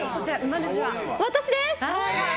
私です。